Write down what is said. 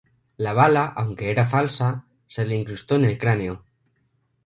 La bala, aunque era falsa, se le incrustó en el cráneo.